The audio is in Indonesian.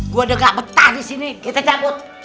gue udah gak betah disini kita cabut